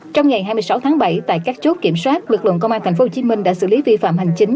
trong ngày hai mươi sáu tháng bảy tại các chốt kiểm soát lực lượng công an tp hcm đã xử lý vi phạm hành chính